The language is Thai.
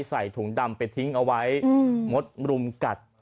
ใส่ถุงดำไปทิ้งเอาไว้มดรุมกัด